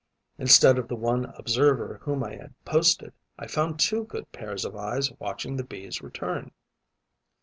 Instead of the one observer whom I had posted, I found two good pairs of eyes watching the Bees' return.